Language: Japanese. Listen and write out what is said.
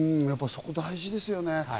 そこ大事ですよね。